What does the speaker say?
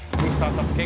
ＳＡＳＵＫＥ